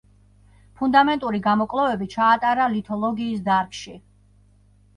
ფუნდამენტური გამოკვლევები ჩაატარა ლითოლოგიის დარგში.